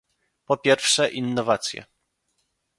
Po pierwsze, innowacje